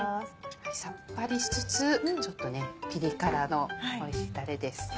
サッパリしつつちょっとねピリ辛のおいしいタレです。